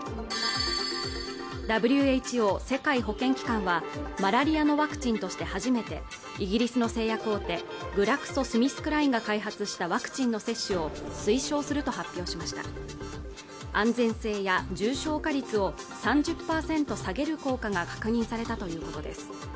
ＷＨＯ世界保健機関はマラリアのワクチンとして初めてイギリスの製薬大手グラクソスミスクラインが開発したワクチンの接種を推奨すると発表しました安全性や重症化率を３０％下げる効果が確認されたということです